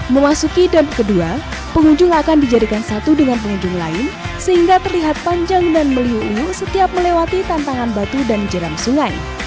memasuki dam kedua pengunjung akan dijadikan satu dengan pengunjung lain sehingga terlihat panjang dan meliu liu setiap melewati tantangan batu dan jeram sungai